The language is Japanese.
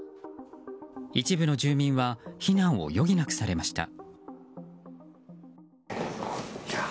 一部の住民は避難を余儀なくされました。